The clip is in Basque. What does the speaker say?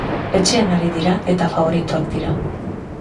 Etxean ari dira eta faboritoak dira.